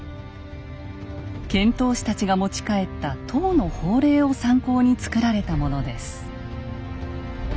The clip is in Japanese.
遣唐使たちが持ち帰った唐の法令を参考につくられたものです。